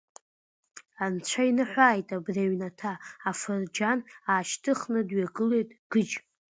Анцәа иныҳәааит абри аҩнаҭа, афырџьан аашьҭыхны дҩагылеит Гыџь.